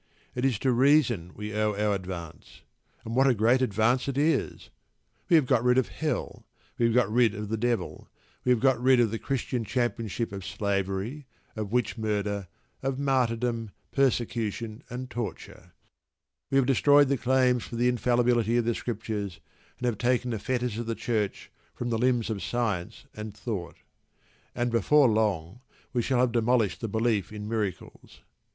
It is to reason we owe our advance; and what a great advance it is! We have got rid of Hell, we have got rid of the Devil, we have got rid of the Christian championship of slavery, of witch murder, of martyrdom, persecution, and torture; we have destroyed the claims for the infallibility of the Scriptures, and have taken the fetters of the Church from the limbs of Science and Thought, and before long we shall have demolished the belief in miracles.